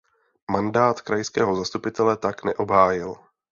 Mandát krajského zastupitele tak neobhájil.